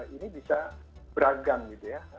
ini bisa beragam gitu ya